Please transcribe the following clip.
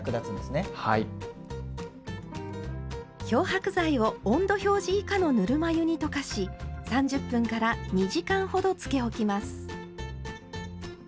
漂白剤を温度表示以下のぬるま湯に溶かし３０分２時間ほどつけ置きます。